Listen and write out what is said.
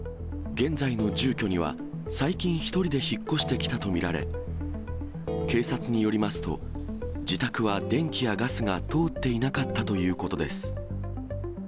現在の住居には、最近１人で引っ越してきたと見られ、警察によりますと、自宅は電気やガスが通っていなかったということです。